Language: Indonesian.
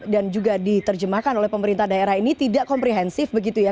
dan juga diterjemahkan oleh pemerintah daerah ini tidak komprehensif begitu ya